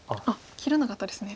切らなかったですね。